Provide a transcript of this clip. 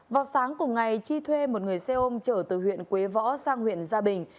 vào sáng cùng ngày chi thuê một người xe ôm trở từ huyện quế võ sang huyện gia bình